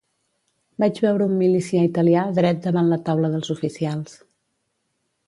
Vaig veure un milicià italià dret davant la taula dels oficials.